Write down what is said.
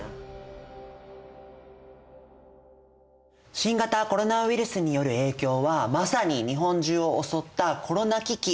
新型コロナウイルスによる影響はまさに日本中を襲った「コロナ危機」ともいえますよね。